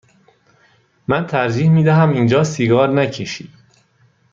من ترجیح می دهم اینجا سیگار نکشی.